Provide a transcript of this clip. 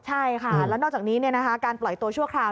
ใช่ค่ะแล้วนอกจากนี้การปล่อยตัวชั่วคราว